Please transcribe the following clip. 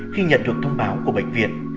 khi nhận được thông báo của bệnh viện